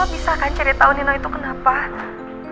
bisa kan cerita onino itu keren banget ya